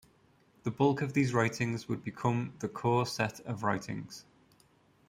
The bulk of these writings would become the "core set of writings".